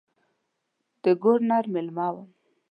د ګورنر مېلمه وم.